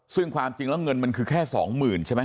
ซึ่งความจริงแล้วเงินมันคือแค่๒๐๐๐ใช่ไหม